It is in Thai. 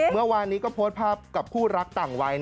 เมื่อวานนี้ก็โพสต์ภาพกับคู่รักต่างวัย